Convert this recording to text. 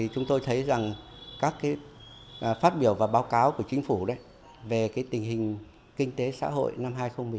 chúng tôi thấy rằng các phát biểu và báo cáo của chính phủ về tình hình kinh tế xã hội năm hai nghìn một mươi chín